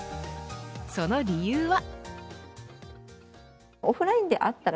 その理由は。